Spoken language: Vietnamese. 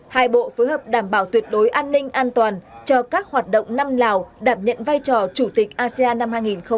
hai bộ phối hợp đảm bảo tuyệt đối an ninh an toàn cho các hoạt động năm lào đảm nhận vai trò chủ tịch asean năm hai nghìn hai mươi